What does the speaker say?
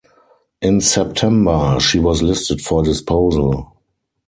In September she was listed for disposal.